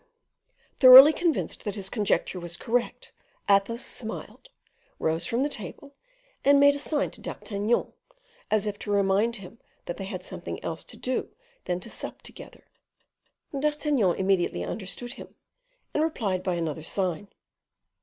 Thoroughly convinced that his conjecture was correct, Athos smiled, rose from the table, and made a sign to D'Artagnan, as if to remind him that they had something else to do than to sup together. D'Artagnan immediately understood him, and replied by another sign.